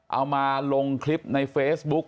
เอามาลงคลิปในเฟซบุ๊ก